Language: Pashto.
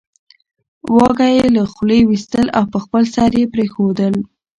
واګی یې له خولې وېستل او په خپل سر یې پرېښودل